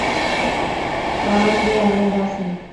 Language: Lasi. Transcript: پاڻان ڪيئن ھلنداسين؟